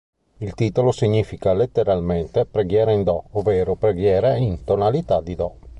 Il titolo significa letteralmente "Preghiera in Do", ovvero preghiera in tonalità di do.